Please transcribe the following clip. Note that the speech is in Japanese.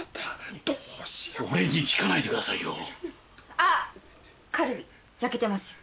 俺に聞かないでくださいよ！